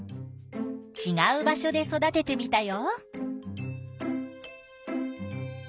ちがう場所で育ててみたよ。